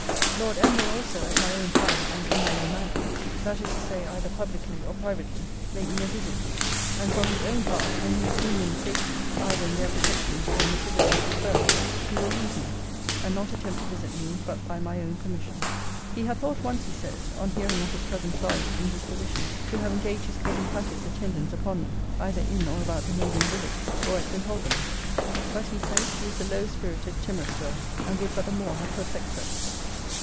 'Lord M. will also, at my own time, and in my own manner, (that is to say, either publicly or privately,) make me a visit. And, for his own part, when he has seen me in safety, either in their protection, or in the privacy I prefer, he will leave me, and not attempt to visit me but by my own permission. 'He had thought once, he says, on hearing of his cousin Charlotte's indisposition, to have engaged his cousin Patty's attendance upon me, either in or about the neighbouring village, or at St. Alban's: but, he says, she is a low spirited, timorous girl, and would but the more have perplexed us.'